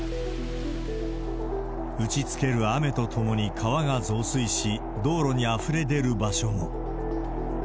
打ちつける雨とともに川が増水し、道路にあふれ出る場所も。